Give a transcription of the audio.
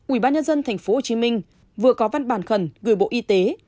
ủy ban nhân dân tp hcm vừa có văn bản khẩn gửi bộ y tế